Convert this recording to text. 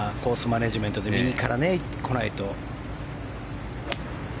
マネジメントで右から来ないと。